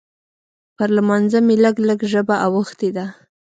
پر لمانځه مې لږ لږ ژبه اوښتې ده.